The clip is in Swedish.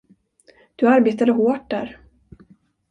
Du arbetade hårt där.